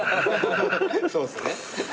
そうっすね。